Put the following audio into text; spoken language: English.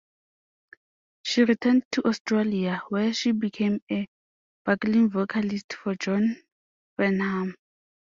She returned to Australia, where she became a backing vocalist for John Farnham.